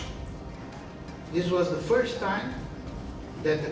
ini adalah pertama kalinya